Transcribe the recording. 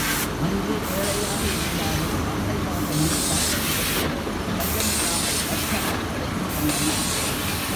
அன்று ஏழையாக இருந்தாலும், தந்தை பாசமும், தாயன்பும் அவனுக்குப் பஞ்சமில்லாமல் வற்றாமல் கிடைத்து வந்தன.